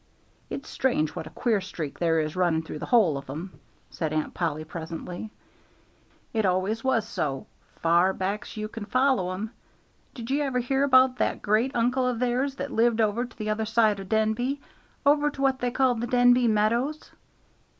"It's strange what a queer streak there is running through the whole of 'em," said Aunt Polly, presently. "It always was so, far back's you can follow 'em. Did you ever hear about that great uncle of theirs that lived over to the other side o' Denby, over to what they call the Denby Meadows?